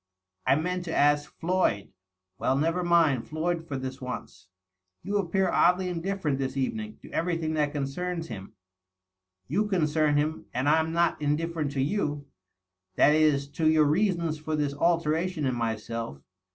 I meant to ask Floyd ^"" Well, never mind Floyd, for this once." "You appear oddly indifierent, this evening, to everything that concerns him." " You concern him, and I'm not indifierent to you. That is, to your reasons for this alteration in myself.